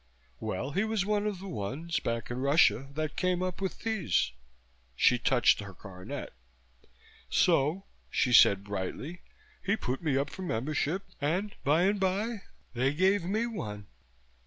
Well, he was one of the ones, back in Russia, that came up with these." She touched her coronet. "So," she said brightly, "he put me up for membership and by and by they gave me one.